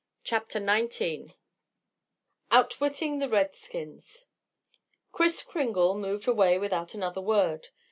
CHAPTER XIX OUTWITTING THE REDSKINS Kris Kringle moved away without another word.